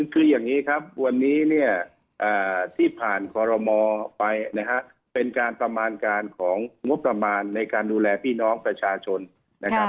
คืออย่างนี้ครับวันนี้เนี่ยที่ผ่านคอรมอไปนะฮะเป็นการประมาณการของงบประมาณในการดูแลพี่น้องประชาชนนะครับ